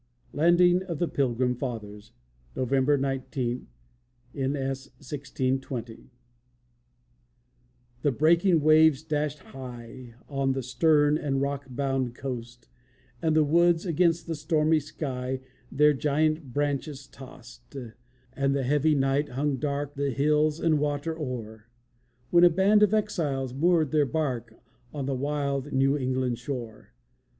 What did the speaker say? LANDING OF THE PILGRIM FATHERS [November 19 (N. S.), 1620] The breaking waves dashed high On the stern and rock bound coast, And the woods, against a stormy sky, Their giant branches tossed; And the heavy night hung dark The hills and waters o'er, When a band of exiles moored their bark On the wild New England shore.